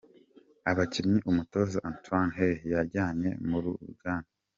Abakinnyi umutoza Antoine Hey yajyanye muri Uganda:.